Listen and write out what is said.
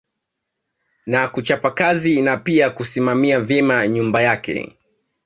Na kuchapa kazi na pia kusimamia vyema nyumba yake